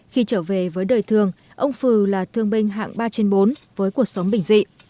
khi trở về với đời thương ông phừ là thương binh hạng ba trên bốn với cuộc sống bình dị